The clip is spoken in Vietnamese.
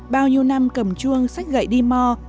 bao nhiêu năm cầm chuông sách gậy đi mò